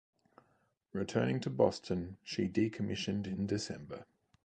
Returning to Boston, she decommissioned in December.